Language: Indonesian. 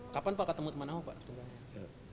kapan pak ketemu teman ahok pak